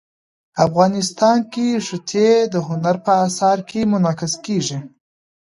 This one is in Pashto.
افغانستان کې ښتې د هنر په اثار کې منعکس کېږي.